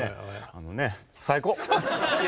あのね最高！